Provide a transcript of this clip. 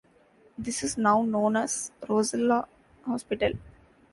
This is now known as Rozelle Hospital.